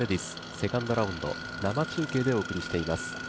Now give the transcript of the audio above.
セカンドラウンド、生中継でお送りしています。